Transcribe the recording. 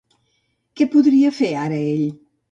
Què podria fer ara ell?